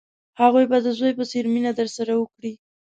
هغوی به د زوی په څېر مینه درسره وکړي.